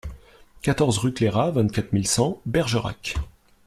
quatorze rue Clairat, vingt-quatre mille cent Bergerac